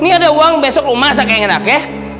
nih ada uang besok lo masak yang enak ya